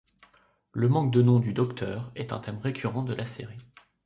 Le manque de nom du Docteur est un thème récurrent de la série.